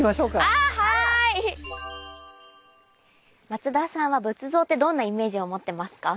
松田さんは仏像ってどんなイメージを持ってますか？